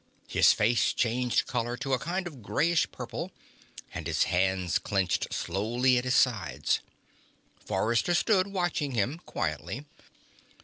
His face changed color to a kind of grayish purple, and his hands clenched slowly at his sides. Forrester stood watching him quietly.